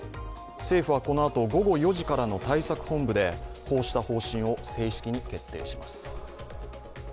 政府はこのあと、午後４時からの対策本部でこうした方針を正式に決定します。